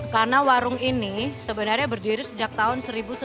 karena warung ini sebenarnya berdiri sejak tahun seribu sembilan ratus tujuh puluh lima